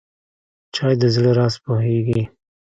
چای د زړه راز پوهیږي.